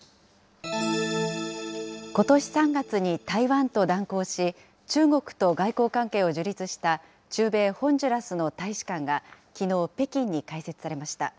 ことし３月に台湾と断交し、中国と外交関係を樹立した中米ホンジュラスの大使館が、きのう、北京に開設されました。